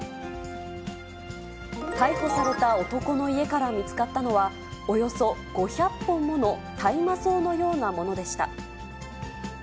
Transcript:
逮捕された男の家から見つかったのは、およそ５００本もの大麻草のようなものでした。